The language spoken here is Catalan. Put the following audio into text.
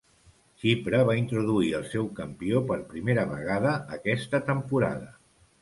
Xipre va introduir el seu campió per primera vegada aquesta temporada.